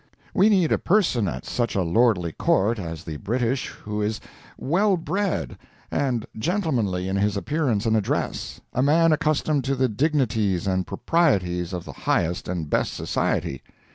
We need a person at such a lordly court as the British who is well bred and gentlemanly in his appearance and address, a man accustomed to the dignities and proprieties of the highest and best society.